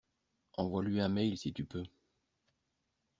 Envoie-lui un mail si tu peux.